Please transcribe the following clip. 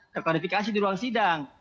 keklarifikasi di ruang sidang